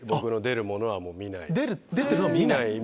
出てるのを見ない？